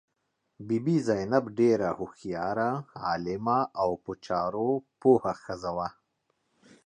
بي بي زینب ډېره هوښیاره، عالمه او په چارو پوه ښځه وه.